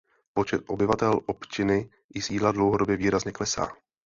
Počet obyvatel opčiny i sídla dlouhodobě výrazně klesá.